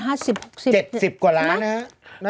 ๗๐กว่าล้ากเลยนะฮะ